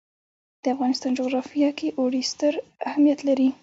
د افغانستان جغرافیه کې اوړي ستر اهمیت لري.